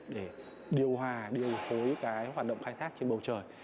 để điều hòa điều hối hoạt động khai thác trên bầu trời